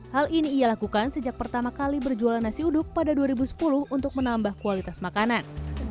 hal ini ia lakukan sejak pertama kali berjualan nasi uduk pada dua ribu sepuluh untuk menambah kualitas makanan